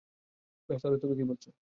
বেশ, তাহলে তুমি কি বলছ?